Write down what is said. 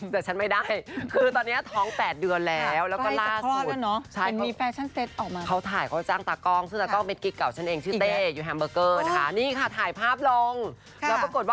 แต่ฉันไม่ได้คือตอนนี้ท้อง๘เดือนแล้ว